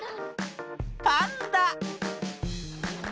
パンダ！